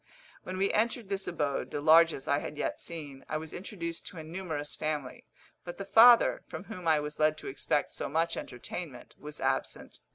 When we entered this abode, the largest I had yet seen, I was introduced to a numerous family; but the father, from whom I was led to expect so much entertainment, was absent.